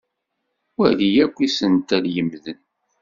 Wali akk isental yemmden.